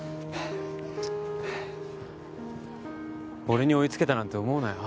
俺に追いつけたなんて思うなよ。